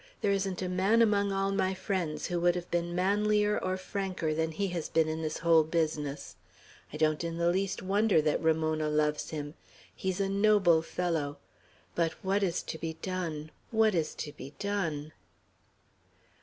There isn't a man among all my friends who would have been manlier or franker than he has been in this whole business. I don't in the least wonder that Ramona loves him. He's a noble fellow! But what is to be done! What is to be done!"